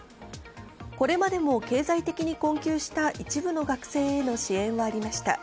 これまでも経済的に困窮した一部の学生への支援はありました。